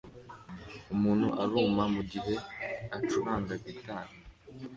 Umuntu aruma mugihe acuranga gitari